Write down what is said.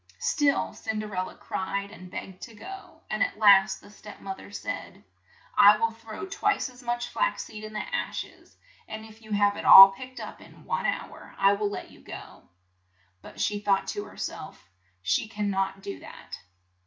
Still Cin der el la cried and begged to go, and at last the step moth er said, "I will throw twice as much flax seed in the ash es, and if you have it all picked up in one hour, I will let you go." But she thought to her self, "She can not do that."